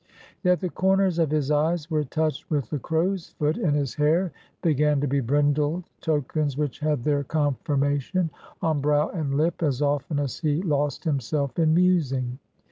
Yet the corners of his eyes were touched with the crow's foot, and his hair began to be brindled, tokens which had their confirmation on brow and lip as often as he lost himself in musing.